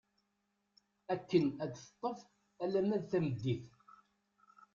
Akken ad teṭṭef alamma d tameddit.